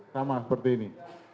sama seperti ini